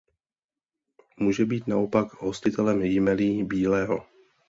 Může být naopak hostitelem jmelí bílého.